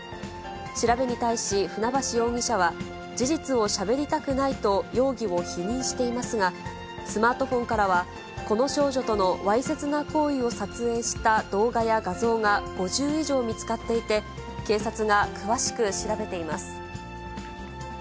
調べに対し船橋容疑者は、事実をしゃべりたくないと、容疑を否認していますが、スマートフォンからは、この少女とのわいせつな行為を撮影した動画や画像が５０以上見つかっていて、警察が詳しく調べています。